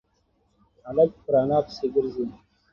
هلک پر انا پسې گرځي.